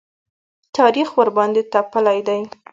تاریخ ورباندې تپلی دی.